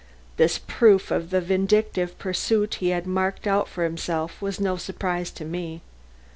This proof of the vindictive pursuit he had marked out for himself was no surprise to me.